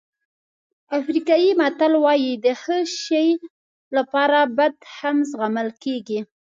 افریقایي متل وایي د ښه شی لپاره بد هم زغمل کېږي.